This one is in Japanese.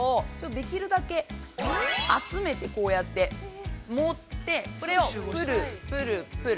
できるだけ、集めて、こうやって、持って、それを、ぷるぷるぷる。